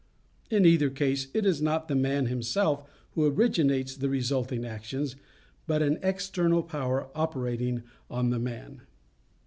In either case it is not the man himself who originates the resulting actions, but an external power operating on the man.